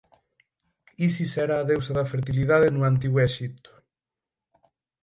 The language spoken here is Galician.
Isis era a deusa da fertilidade no Antigo Exipto.